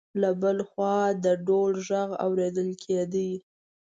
له بل خوا د ډول غږ اورېدل کېده.